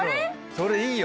それいいよ。